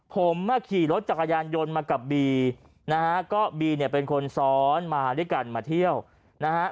ผมมาขี่รถจักรยานยนต์มากับบีนะฮะก็บีเนี่ยเป็นคนซ้อนมาด้วยกันมาเที่ยวนะฮะ